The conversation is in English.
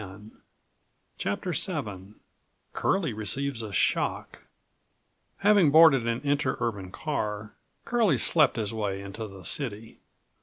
75 CHAPTER VIICURLIE RECEIVES A SHOCK Having boarded an interurban car, Curlie slept his way into the city.